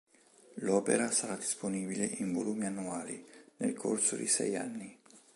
L'opera sarà disponibile in volumi annuali, nel corso di sei anni.